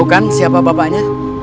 bukan siapa bapaknya